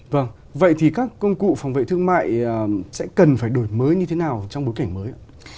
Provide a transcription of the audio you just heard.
vâng vậy thì các công cụ phòng vệ thương mại sẽ cần phải đổi mới như thế nào trong bối cảnh mới ạ